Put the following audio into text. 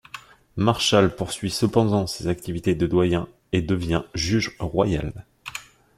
Marshal poursuit cependant ses activités de doyen et devient juge royal.